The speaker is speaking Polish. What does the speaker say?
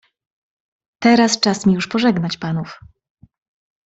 "Teraz jednak czas mi już pożegnać panów."